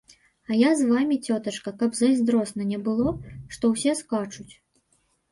А я з вамі, цётачка, каб зайздросна не было, што ўсе скачуць.